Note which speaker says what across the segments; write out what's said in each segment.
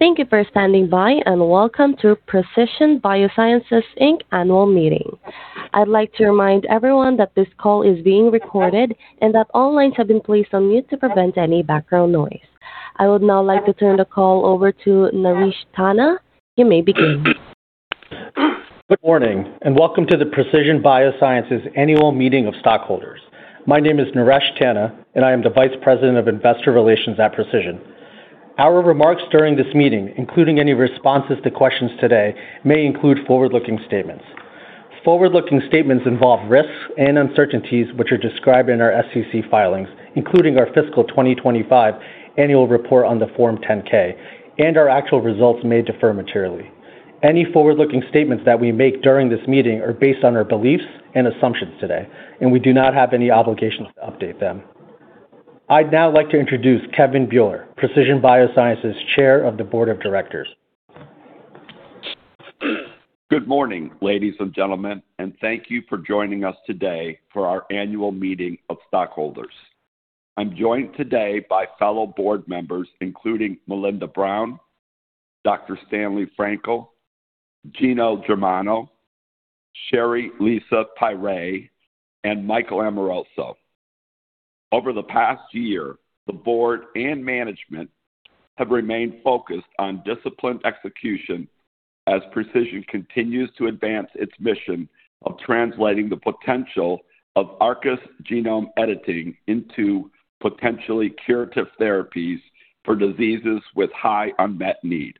Speaker 1: Thank you for standing by, and welcome to Precision BioSciences, Inc annual meeting. I'd like to remind everyone that this call is being recorded and that all lines have been placed on mute to prevent any background noise. I would now like to turn the call over to Naresh Tanna. You may begin.
Speaker 2: Good morning, welcome to the Precision BioSciences annual meeting of stockholders. My name is Naresh Tanna, and I am the Vice President of Investor Relations at Precision. Our remarks during this meeting, including any responses to questions today, may include forward-looking statements. Forward-looking statements involve risks and uncertainties, which are described in our SEC filings, including our fiscal 2025 annual report on the Form 10-K, and our actual results may differ materially. Any forward-looking statements that we make during this meeting are based on our beliefs and assumptions today, and we do not have any obligations to update them. I'd now like to introduce Kevin Buehler, Precision BioSciences Chair of the Board of Directors.
Speaker 3: Good morning, ladies and gentlemen, thank you for joining us today for our annual meeting of stockholders. I'm joined today by fellow board members, including Melinda Brown, Dr. Stanley Frankel, Geno Germano, Shari Lisa Piré, and Michael Amoroso. Over the past year, the board and management have remained focused on disciplined execution as Precision BioSciences continues to advance its mission of translating the potential of ARCUS genome editing into potentially curative therapies for diseases with high unmet need.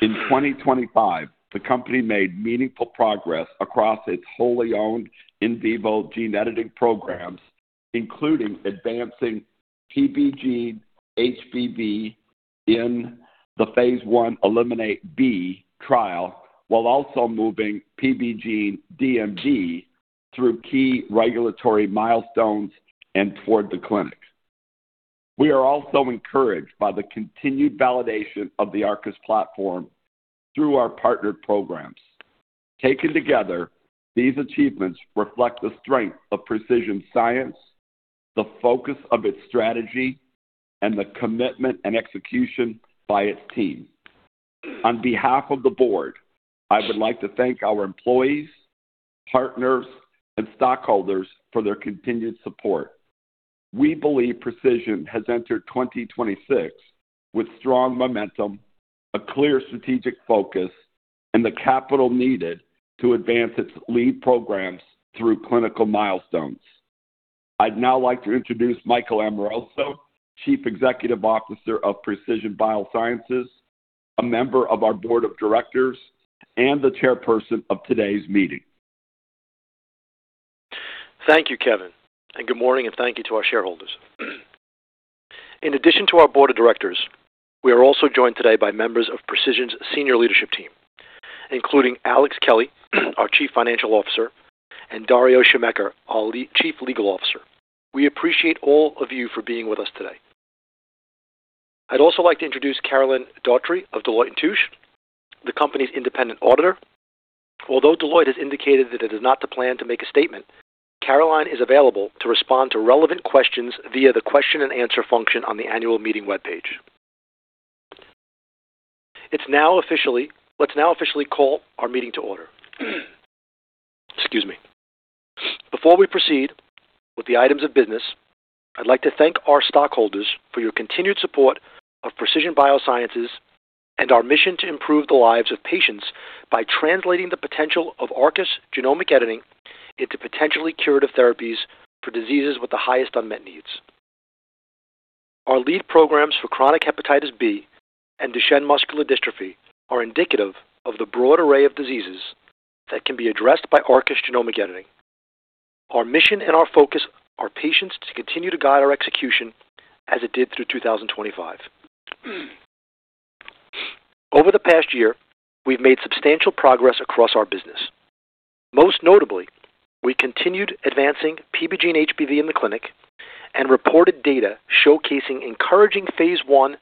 Speaker 3: In 2025, the company made meaningful progress across its wholly-owned in vivo gene editing programs, including advancing PBGENE-HBV in the phase I ELIMINATE-B trial while also moving PBGENE-DMD through key regulatory milestones and toward the clinic. We are also encouraged by the continued validation of the ARCUS platform through our partnered programs. Taken together, these achievements reflect the strength of Precision's science, the focus of its strategy, and the commitment and execution by its team. On behalf of the Board, I would like to thank our employees, partners, and stockholders for their continued support. We believe Precision has entered 2026 with strong momentum, a clear strategic focus, and the capital needed to advance its lead programs through clinical milestones. I'd now like to introduce Michael Amoroso, Chief Executive Officer of Precision BioSciences, a member of our Board of Directors, and the chairperson of today's meeting.
Speaker 4: Thank you, Kevin. Good morning, thank you to our shareholders. In addition to our board of directors, we are also joined today by members of Precision's senior leadership team, including Alex Kelly, our Chief Financial Officer, and Dario Scimeca, our Chief Legal Officer. We appreciate all of you for being with us today. I'd also like to introduce Carolyn Daughtry of Deloitte & Touche, the company's independent auditor. Although Deloitte has indicated that it does not plan to make a statement, Carolyn is available to respond to relevant questions via the question and answer function on the annual meeting webpage. Let's now officially call our meeting to order. Excuse me. Before we proceed with the items of business, I'd like to thank our stockholders for your continued support of Precision BioSciences and our mission to improve the lives of patients by translating the potential of ARCUS genomic editing into potentially curative therapies for diseases with the highest unmet needs. Our lead programs for chronic hepatitis B and Duchenne muscular dystrophy are indicative of the broad array of diseases that can be addressed by ARCUS genomic editing. Our mission and our focus are patients to continue to guide our execution as it did through 2025. Over the past year, we've made substantial progress across our business. Most notably, we continued advancing PBGENE-HBV in the clinic and reported data showcasing encouraging phase I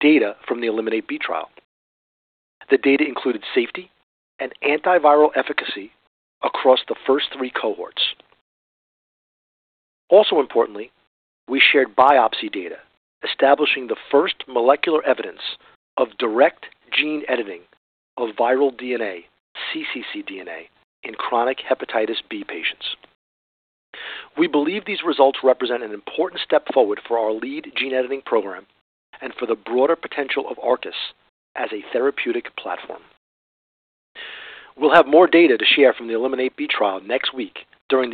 Speaker 4: data from the ELIMINATE-B trial. The data included safety and antiviral efficacy across the first three cohorts. Also importantly, we shared biopsy data establishing the first molecular evidence of direct gene editing of viral DNA, cccDNA, in chronic hepatitis B patients. We believe these results represent an important step forward for our lead gene editing program and for the broader potential of ARCUS as a therapeutic platform. We'll have more data to share from the ELIMINATE-B trial next week during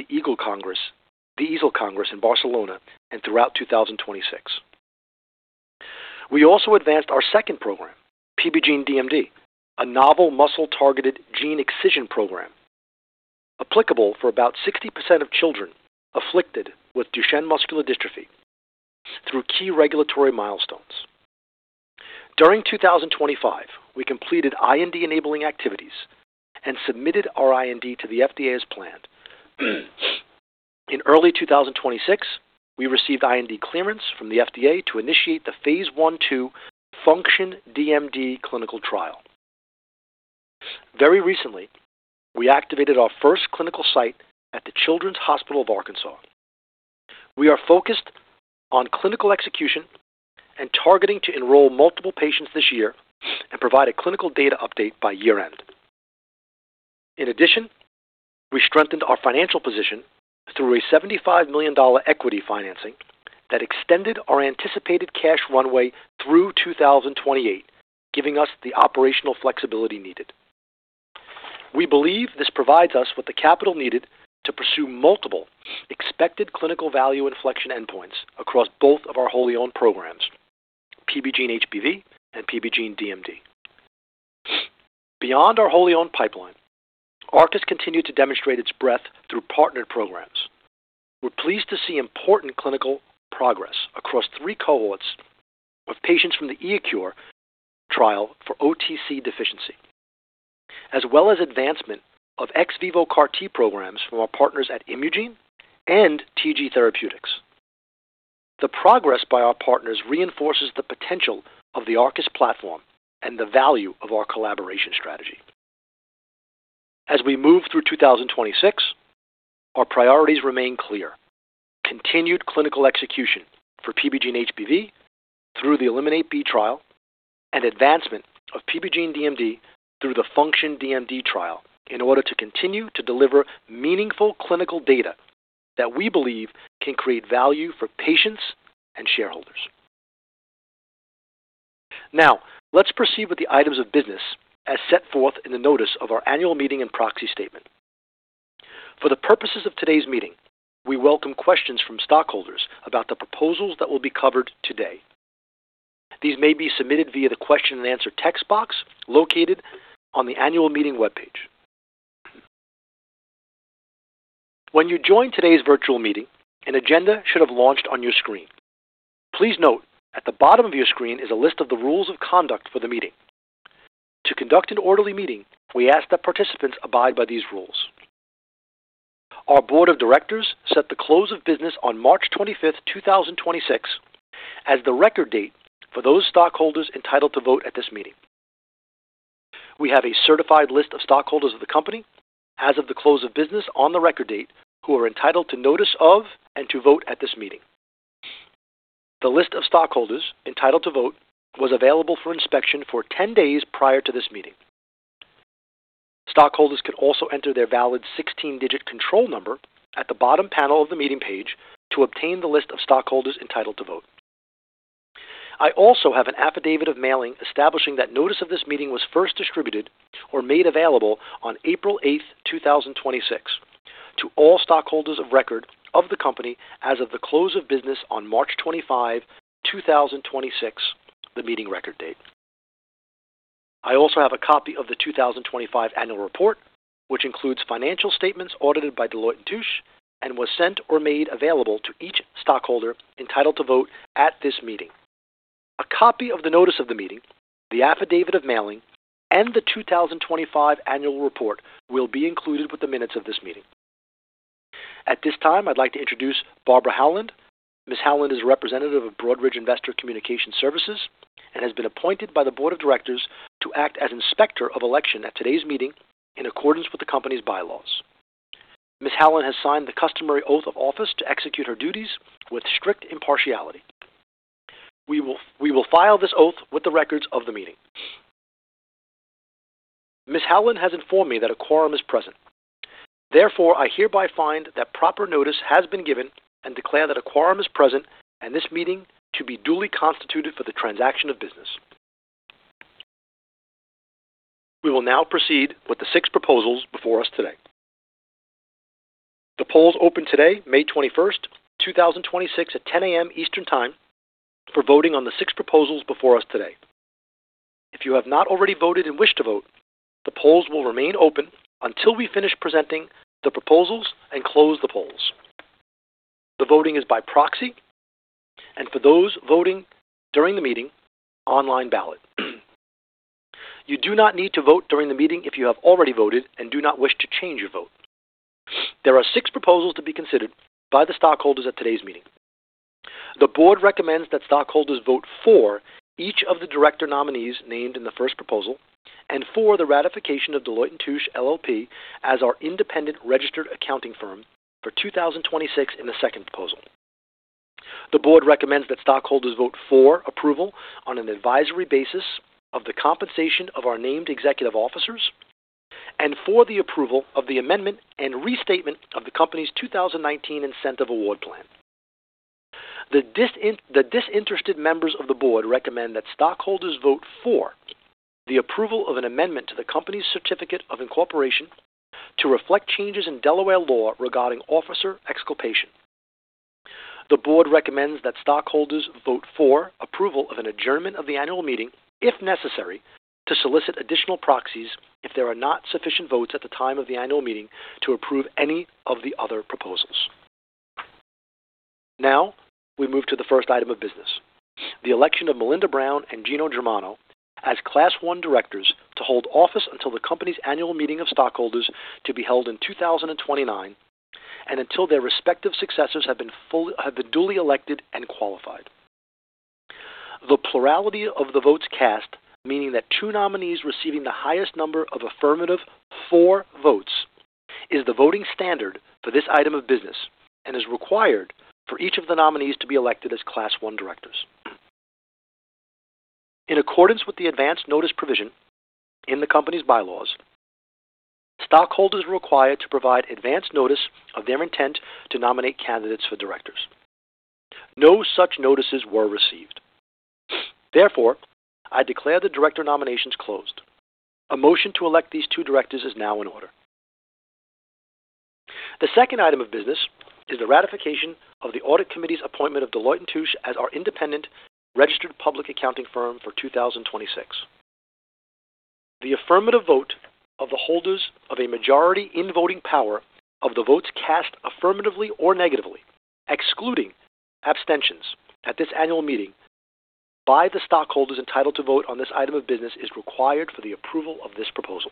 Speaker 4: the EASL Congress in Barcelona and throughout 2026. We also advanced our second program, PBGENE-DMD, a novel muscle-targeted gene excision program applicable for about 60% of children afflicted with Duchenne muscular dystrophy through key regulatory milestones. During 2025, we completed IND-enabling activities and submitted our IND to the FDA as planned. In early 2026, we received IND clearance from the FDA to initiate the phase I/II FUNCTION-DMD clinical trial. Very recently, we activated our first clinical site at the Children's Hospital of Arkansas. We are focused on clinical execution and targeting to enroll multiple patients this year and provide a clinical data update by year-end. In addition, we strengthened our financial position through a $75 million equity financing that extended our anticipated cash runway through 2028, giving us the operational flexibility needed. We believe this provides us with the capital needed to pursue multiple expected clinical value inflection endpoints across both of our wholly-owned programs, PBGENE-HBV, and PBGENE-DMD. Beyond our wholly-owned pipeline, ARCUS continued to demonstrate its breadth through partnered programs. We're pleased to see important clinical progress across three cohorts of patients from the iECURE trial for OTC deficiency, as well as advancement of ex vivo CAR T programs from our partners at Imugene and TG Therapeutics. The progress by our partners reinforces the potential of the ARCUS platform and the value of our collaboration strategy. As we move through 2026, our priorities remain clear. Continued clinical execution for PBGENE-HBV through the ELIMINATE-B trial and advancement of PBGENE-DMD through the FUNCTION-DMD trial in order to continue to deliver meaningful clinical data that we believe can create value for patients and shareholders. Now, let's proceed with the items of business as set forth in the notice of our annual meeting and proxy statement. For the purposes of today's meeting, we welcome questions from stockholders about the proposals that will be covered today. These may be submitted via the question-and-answer text box located on the annual meeting webpage. When you joined today's virtual meeting, an agenda should have launched on your screen. Please note, at the bottom of your screen is a list of the rules of conduct for the meeting. To conduct an orderly meeting, we ask that participants abide by these rules. Our board of directors set the close of business on March 25th, 2026, as the record date for those stockholders entitled to vote at this meeting. We have a certified list of stockholders of the company as of the close of business on the record date who are entitled to notice of and to vote at this meeting. The list of stockholders entitled to vote was available for inspection for 10 days prior to this meeting. Stockholders could also enter their valid 16-digit control number at the bottom panel of the meeting page to obtain the list of stockholders entitled to vote. I also have an affidavit of mailing establishing that notice of this meeting was first distributed or made available on April 8th, 2026, to all stockholders of record of the company as of the close of business on March 25, 2026, the meeting record date. I also have a copy of the 2025 annual report, which includes financial statements audited by Deloitte & Touche and was sent or made available to each stockholder entitled to vote at this meeting. A copy of the notice of the meeting, the affidavit of mailing, and the 2025 annual report will be included with the minutes of this meeting. At this time, I'd like to introduce Barbara Howland. Ms. Howland is a representative of Broadridge Investor Communication Services and has been appointed by the board of directors to act as inspector of election at today's meeting in accordance with the company's bylaws. Ms. Howland has signed the customary oath of office to execute her duties with strict impartiality. We will file this oath with the records of the meeting. Ms. Howland has informed me that a quorum is present. I hereby find that proper notice has been given and declare that a quorum is present and this meeting to be duly constituted for the transaction of business. We will now proceed with the six proposals before us today. The polls opened today, May 21st, 2026, at 10:00 A.M. Eastern Time for voting on the 6 proposals before us today. If you have not already voted and wish to vote, the polls will remain open until we finish presenting the proposals and close the polls. The voting is by proxy, and for those voting during the meeting, online ballot. You do not need to vote during the meeting if you have already voted and do not wish to change your vote. There are six proposals to be considered by the stockholders at today's meeting. The board recommends that stockholders vote for each of the director nominees named in the first proposal and for the ratification of Deloitte & Touche LLP as our independent registered accounting firm for 2026 in the second proposal. The board recommends that stockholders vote for approval on an advisory basis of the compensation of our named executive officers and for the approval of the amendment and restatement of the company's 2019 Incentive Award Plan. The disinterested members of the board recommend that stockholders vote for the approval of an amendment to the company's certificate of incorporation to reflect changes in Delaware law regarding officer exculpation. The board recommends that stockholders vote for approval of an adjournment of the annual meeting, if necessary, to solicit additional proxies if there are not sufficient votes at the time of the annual meeting to approve any of the other proposals. We move to the first item of business, the election of Melinda Brown and Geno Germano as Class I directors to hold office until the company's annual meeting of stockholders to be held in 2029 and until their respective successors have been duly elected and qualified. The plurality of the votes cast, meaning that two nominees receiving the highest number of affirmative, for votes, is the voting standard for this item of business and is required for each of the nominees to be elected as Class I directors. In accordance with the advance notice provision in the company's bylaws, stockholders are required to provide advance notice of their intent to nominate candidates for directors. No such notices were received. Therefore, I declare the director nominations closed. A motion to elect these 2 directors is now in order. The second item of business is the ratification of the audit committee's appointment of Deloitte & Touche as our independent registered public accounting firm for 2026. The affirmative vote of the holders of a majority in voting power of the votes cast affirmatively or negatively, excluding abstentions at this annual meeting by the stockholders entitled to vote on this item of business is required for the approval of this proposal.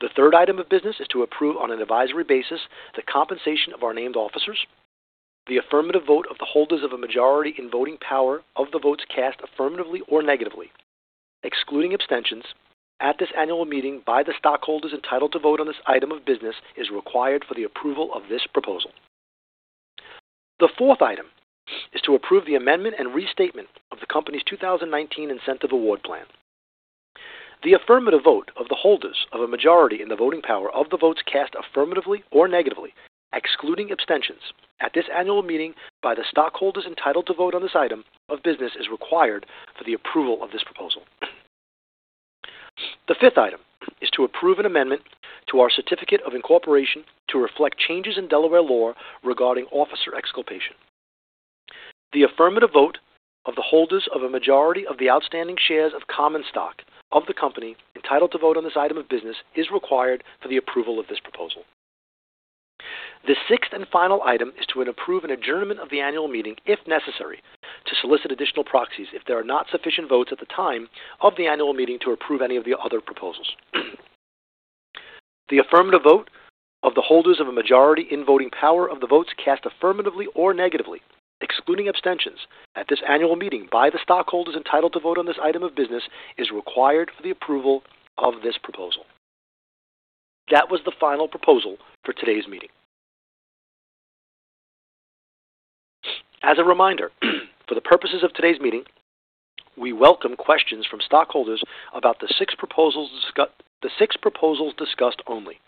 Speaker 4: The third item of business is to approve, on an advisory basis, the compensation of our named officers. The affirmative vote of the holders of a majority in voting power of the votes cast affirmatively or negatively, excluding abstentions at this annual meeting by the stockholders entitled to vote on this item of business, is required for the approval of this proposal. The fourth item is to approve the amendment and restatement of the company's 2019 Incentive Award Plan. The affirmative vote of the holders of a majority in the voting power of the votes cast affirmatively or negatively, excluding abstentions at this annual meeting by the stockholders entitled to vote on this item of business, is required for the approval of this proposal. The fifth item is to approve an amendment to our certificate of incorporation to reflect changes in Delaware law regarding officer exculpation. The affirmative vote of the holders of a majority of the outstanding shares of common stock of the company entitled to vote on this item of business is required for the approval of this proposal. The sixth and final item is to approve an adjournment of the annual meeting, if necessary, to solicit additional proxies if there are not sufficient votes at the time of the annual meeting to approve any of the other proposals. The affirmative vote of the holders of a majority in voting power of the votes cast affirmatively or negatively, excluding abstentions at this annual meeting by the stockholders entitled to vote on this item of business, is required for the approval of this proposal. That was the final proposal for today's meeting. As a reminder, for the purposes of today's meeting, we welcome questions from stockholders about the six proposals discussed only.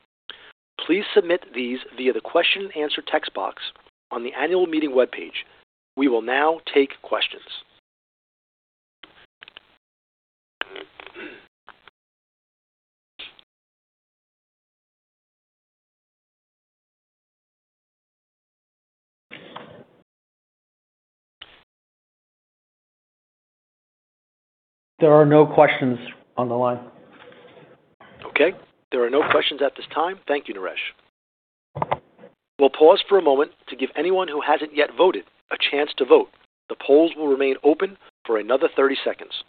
Speaker 4: Please submit these via the question and answer text box on the annual meeting webpage. We will now take questions.
Speaker 2: There are no questions on the line.
Speaker 4: Okay. There are no questions at this time. Thank you, Naresh. We'll pause for a moment to give anyone who hasn't yet voted a chance to vote. The polls will remain open for another 30 seconds.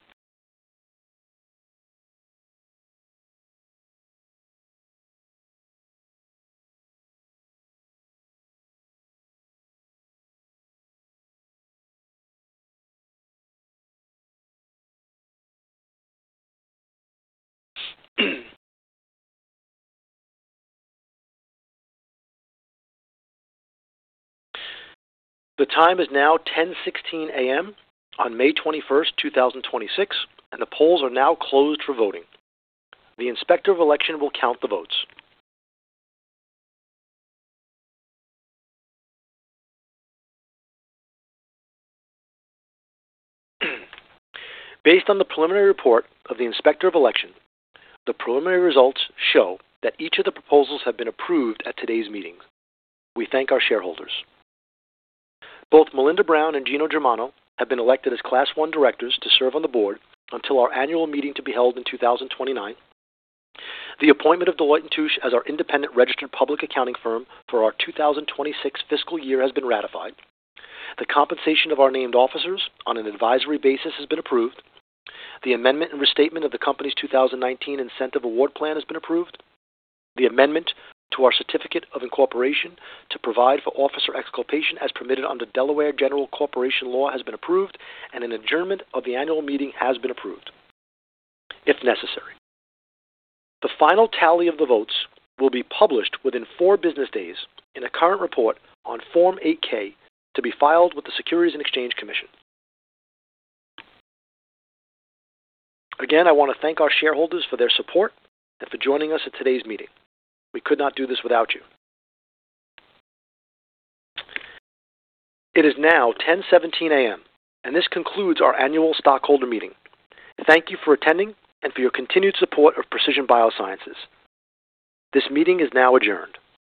Speaker 4: The time is now 10:16 A.M. on May 21st, 2026, and the polls are now closed for voting. The Inspector of Election will count the votes. Based on the preliminary report of the Inspector of Election, the preliminary results show that each of the proposals have been approved at today's meeting. We thank our shareholders. Both Melinda Brown and Geno Germano have been elected as Class I directors to serve on the board until our annual meeting to be held in 2029. The appointment of Deloitte & Touche as our independent registered public accounting firm for our 2026 fiscal year has been ratified. The compensation of our named officers on an advisory basis has been approved. The amendment and restatement of the company's 2019 Incentive Award Plan has been approved. The amendment to our certificate of incorporation to provide for officer exculpation as permitted under Delaware General Corporation Law has been approved, and an adjournment of the annual meeting has been approved, if necessary. The final tally of the votes will be published within four business days in a current report on Form 8-K to be filed with the Securities and Exchange Commission. Again, I want to thank our shareholders for their support and for joining us at today's meeting. We could not do this without you. It is now 10:17 A.M., and this concludes our annual stockholder meeting. Thank you for attending and for your continued support of Precision BioSciences. This meeting is now adjourned.